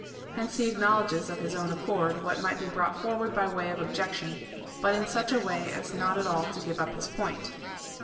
Hence he acknowledges of his own accord what might be brought forward by way of objection, but in such a way as not at all to give up his point.